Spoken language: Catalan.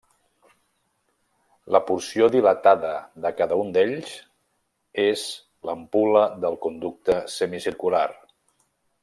La porció dilatada de cada un d'ells és l'ampul·la del conducte semicircular.